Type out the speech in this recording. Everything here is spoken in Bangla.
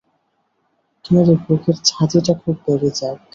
তোমাদের বুকের ছাতিটা খুব বেড়ে যাক।